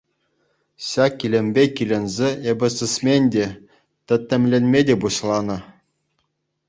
Ҫак илемпе киленсе эпӗ сисмен те — тӗттӗмлене те пуҫланӑ.